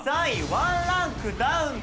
１ランクダウン！